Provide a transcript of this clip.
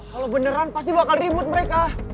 kalau beneran pasti bakal ribut mereka